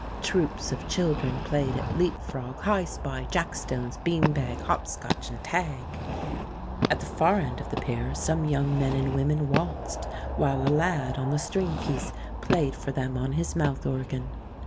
Troops of children played at leap frog, high spy, jack stones, bean bag, hop scotch, and tag. At the far end of the pier some young men and women waltzed, while a lad on the string piece played for them on his mouth organ.